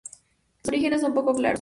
Sus orígenes son poco claros.